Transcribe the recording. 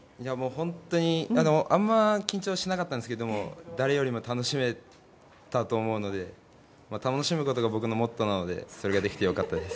本当にあんま緊張しなかったんですけど誰よりも楽しめたと思うので楽しむことが僕のモットーなのでそれができて良かったです。